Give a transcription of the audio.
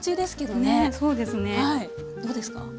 どうですか？